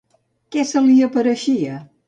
Què se li apareixia?